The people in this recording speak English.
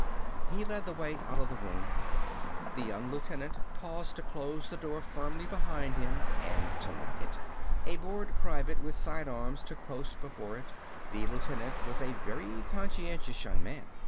He led the way out of the room. The young lieutenant paused to close the door firmly behind him and to lock it. A bored private, with side arms, took post before it. The lieutenant was a very conscientious young man.